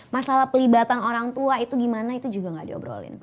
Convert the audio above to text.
masalah pelibatan orang tua itu gimana itu juga gak diobrolin